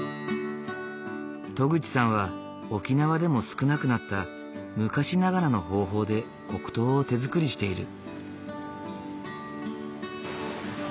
渡久地さんは沖縄でも少なくなった昔ながらの方法で黒糖を手づくりしている。